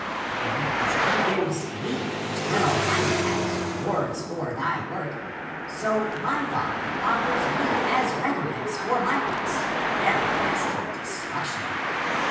And as he gives thee eternal life as reward for thy work, so he (my father) offers me as recompense for my works everlasting destruc tion.